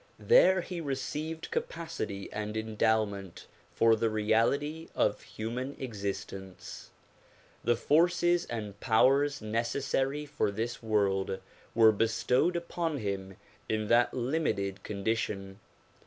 There he received capacity and endowment for the reality of human existence. The forces and powers neces sary for this world were bestowed upon him in that limited condi tion.